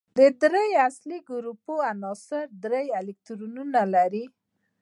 د دریم اصلي ګروپ عنصرونه درې الکترونونه لري.